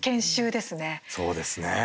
そうですね。